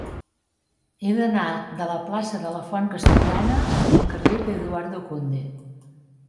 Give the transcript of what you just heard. He d'anar de la plaça de la Font Castellana al carrer d'Eduardo Conde.